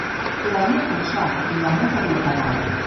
L'olla pel so, i l'home, per la paraula.